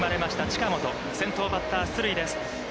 近本、先頭バッター出塁です。